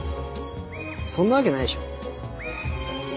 そんなわけないでしょ？